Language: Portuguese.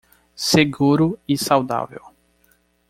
Seguro e saudável